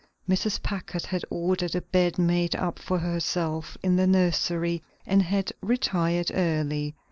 Mrs. Packard had ordered a bed made up for herself in the nursery and had retired early.